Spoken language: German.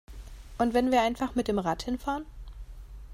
Und wenn wir einfach mit dem Rad hin fahren?